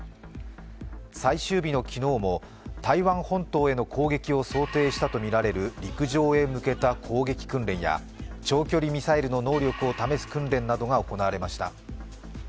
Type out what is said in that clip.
最終日の昨日も台湾本島への攻撃を想定したとみられる陸上へ向けた攻撃訓練や長距離ミサイルの能力を試す訓練などが行われました。